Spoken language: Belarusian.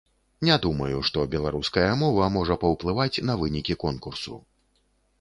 Не думаю, што беларуская мова можа паўплываць на вынікі конкурсу.